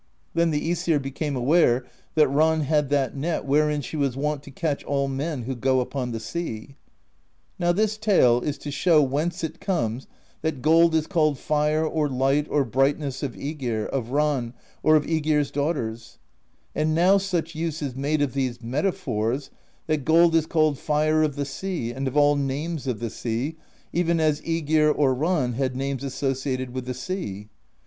Then the iEsir became aware that Ran had that net wherein she was wont to catch all men who go upon the sea. Now this tale is to show whence it comes that gold is called Fire or Light or Bright ness of ^gir, of Ran, or of iEgir's daughters; and now such use is made of these metaphors that gold is called Fire of the Sea, and of all names of the sea, even as JEgir or Ran had names associated with the sea.